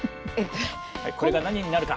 これが何になるか？